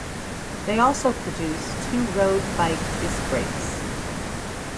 They also produce two road bike disc brakes.